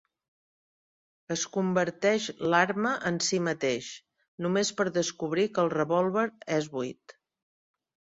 Es converteix l'arma en si mateix, només per descobrir que el revòlver és buit.